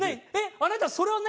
あなたそれを何？